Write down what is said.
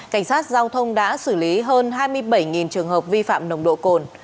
cảnh sát giao thông đã xử lý hơn hai mươi bảy trường hợp vi phạm nồng độ cồn